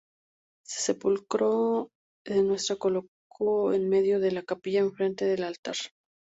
El sepulcro se encuentra colocado en medio de la capilla enfrente del altar.